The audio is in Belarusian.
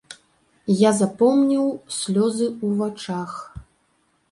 Я запомніў слёзы ў вачах.